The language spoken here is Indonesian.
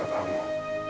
aku bel annihilimu